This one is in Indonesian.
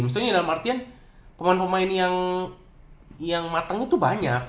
maksudnya dalam artian pemain pemain yang matang itu banyak